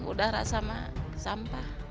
udara sama sampah